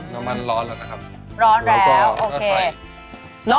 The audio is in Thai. น้ำมันร้อนแล้วนะครับ